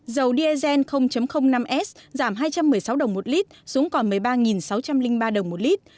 dầu diesel năm s giảm hai trăm một mươi sáu đồng một lít xuống còn một mươi ba sáu trăm linh ba đồng một lít